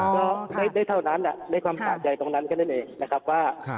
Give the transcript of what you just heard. ก็ได้เท่านั้นได้ความสะใจตรงนั้นแค่นั้นเองนะครับว่า